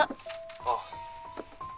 ああ。